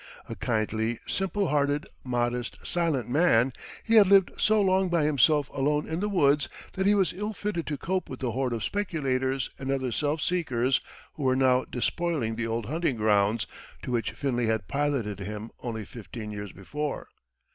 A kindly, simple hearted, modest, silent man, he had lived so long by himself alone in the woods that he was ill fitted to cope with the horde of speculators and other self seekers who were now despoiling the old hunting grounds to which Finley had piloted him only fifteen years before.